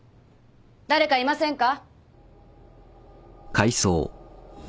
誰かいませんか？